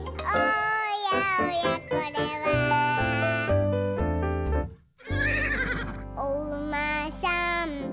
「おうまさん」